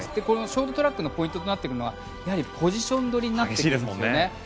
このショートトラックのポイントとなってくるのがポジション取りになってくるんですね。